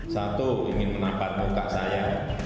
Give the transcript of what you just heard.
satu ingin menampar muka saya